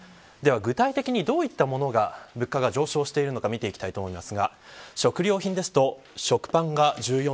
具体的にどういったものの物価が上昇しているのか見ていきます。